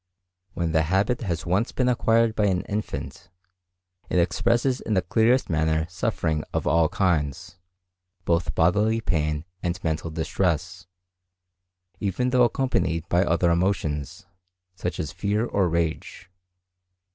When the habit has once been acquired by an infant, it expresses in the clearest manner suffering of all kinds, both bodily pain and mental distress, even though accompanied by other emotions, such as fear or rage.